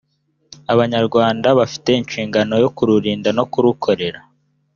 abanyarwanda bafite inshingano yo kururinda no kurukorera.